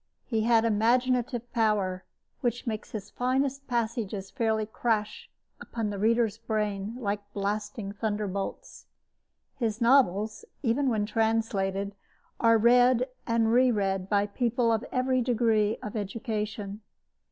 He had imaginative power which makes his finest passages fairly crash upon the reader's brain like blasting thunderbolts. His novels, even when translated, are read and reread by people of every degree of education.